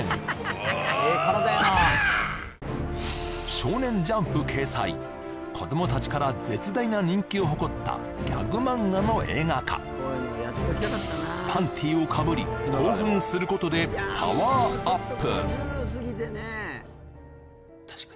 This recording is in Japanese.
「少年ジャンプ」掲載子供たちから絶大な人気を誇ったギャグ漫画の映画化パンティをかぶり興奮することでパワーアップ！